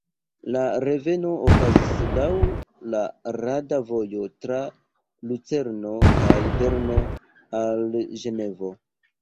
La reveno okazis laŭ la rada vojo tra Lucerno kaj Berno al Ĝenevo.